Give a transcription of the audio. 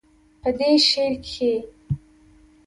پۀ دې شعر کښې